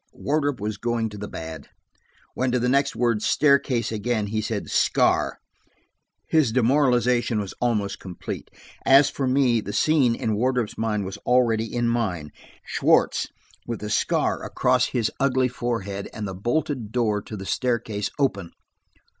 Wardrop was going to the bad. When, to the next word, "staircase," again, he said "scar," his demoralization was almost complete. As for me, the scene in Wardrop's mind was already in mine–Schwartz, with the scar across his ugly forehead, and the bolted door to the staircase open!